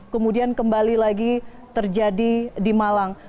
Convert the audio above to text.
kemudian kembali lagi terjadi di malang